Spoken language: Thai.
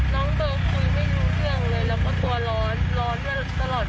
น้องเบอร์คุยไม่รู้เรื่องเลยแล้วก็ตัวร้อนร้อนตลอด